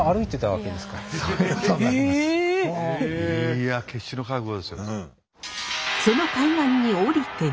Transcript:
いや決死の覚悟ですよ。